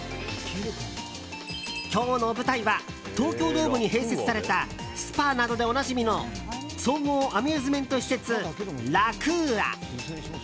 今日の舞台は東京ドームに併設されたスパなどでおなじみの総合アミューズメント施設ラクーア。